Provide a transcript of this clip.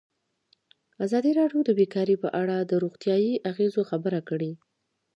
ازادي راډیو د بیکاري په اړه د روغتیایي اغېزو خبره کړې.